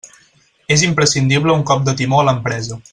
És imprescindible un cop de timó a l'empresa.